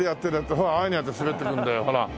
ほらああいうふうにやって滑っていくんだよほら。